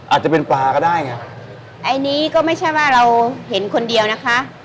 อาจจะเป็นปลาก็ได้ไงอันนี้ก็ไม่ใช่ว่าเราเห็นคนเดียวนะคะ